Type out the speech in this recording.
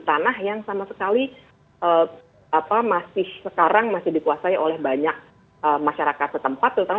tanah yang sama sekali sekarang masih dikuasai oleh banyak masyarakat setempat terutama